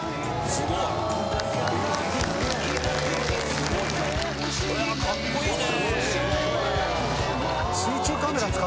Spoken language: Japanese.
すごい！かっこいいね。